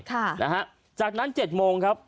ค่ะนะฮะจากนั้นเจ็ดโมงครับ